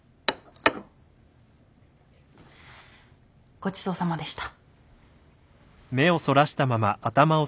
ごちそうさまでした。